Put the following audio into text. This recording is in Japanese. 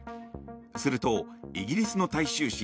すると、イギリスの大衆紙